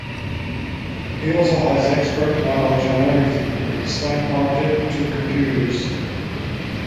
He also has expert knowledge on everything from the stock market to computers.